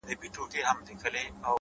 • دا خو رښتيا خبره؛